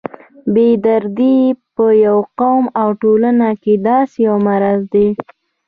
بې دردي په یو قوم او ټولنه کې داسې یو مرض دی.